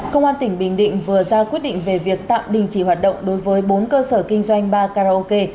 công an tỉnh bình định vừa ra quyết định về việc tạm đình chỉ hoạt động đối với bốn cơ sở kinh doanh ba karaoke